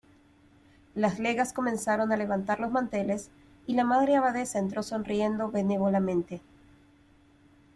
las legas comenzaron a levantar los manteles, y la Madre Abadesa entró sonriendo benévolamente: